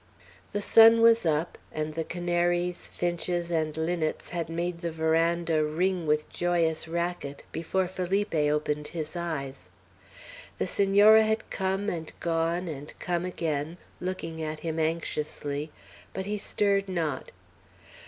The sun was up, and the canaries, finches, and linnets had made the veranda ring with joyous racket, before Felipe opened his eyes. The Senora had come and gone and come again, looking at him anxiously, but he stirred not.